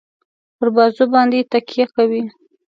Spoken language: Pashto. پر بازو باندي تکیه کوي.